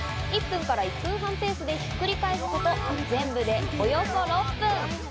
１分から１分半ペースでひっくり返すこと全部でおよそ６分。